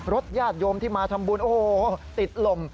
ญาติโยมที่มาทำบุญโอ้โหติดลม